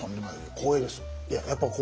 光栄です。